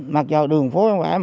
mặc dù đường phố hồ an